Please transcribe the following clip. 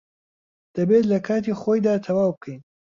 دەبێت لە کاتی خۆیدا تەواو بکەین.